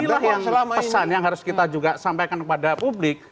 itu pesan yang harus kita juga sampaikan kepada publik